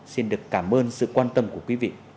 xin được cảm ơn sự quan tâm của quý vị